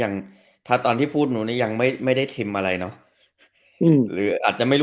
นั่นแหละครับ